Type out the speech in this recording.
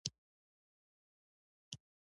ويې ويل دغه راکټ او ټوپکې خو هرسوک چلوې شي.